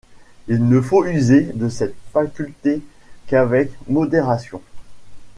Il ne faut user de cette faculté qu’avec modération.